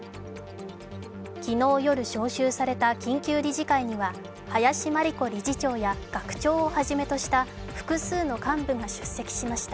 昨日夜、召集された緊急理事会には林真理子理事長や学長をはじめとした複数の幹部が出席しました。